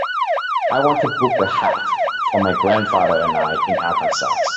I want to book The Hat for my grandfather and I in Arkansas.